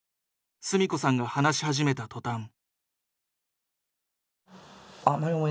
純子さんが話し始めた途端。